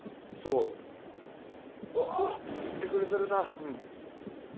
うわあいってくれてるな。